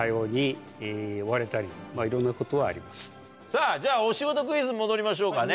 さぁじゃあお仕事クイズに戻りましょうかね。